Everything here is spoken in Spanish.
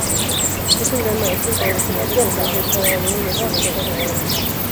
Es un Gran Maestro Internacional de ajedrez de origen chileno, nacionalizado español.